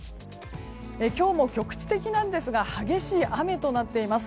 今日も局地的なんですが激しい雨となっています。